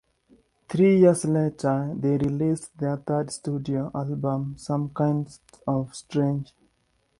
Three years later, they released their third studio album, "Some Kind of Strange".